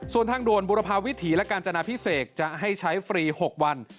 ส่วนทางด่วนบุรพาวิถีและกาญจนาพิเศษจะให้ใช้ฟรี๖วัน